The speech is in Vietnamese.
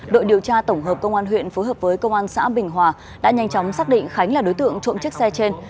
đội điều tra tổng hợp công an huyện phối hợp với công an xã bình hòa đã nhanh chóng xác định khánh là đối tượng trộm chiếc xe trên